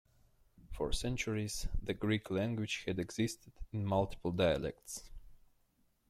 For centuries, the Greek language had existed in multiple dialects.